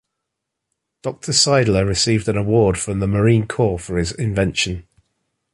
Doctor Seidler received an award from the Marine Corps for his invention.